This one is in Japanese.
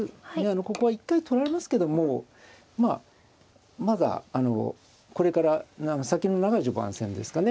ここは一回取られますけどもまあまだこれから先の長い序盤戦ですかね。